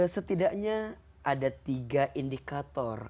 setidaknya ada tiga indikator